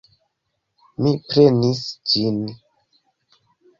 Mi prenis ĝin.